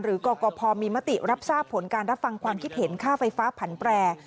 กรกภมีมติรับทราบผลการรับฟังความคิดเห็นค่าไฟฟ้าผันแปร